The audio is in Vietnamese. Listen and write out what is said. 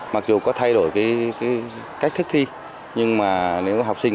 mặc dù có thay đổi cái cách thức thi nhưng mà nếu học sinh